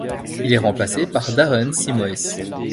Il est remplacé par Darren Simoes.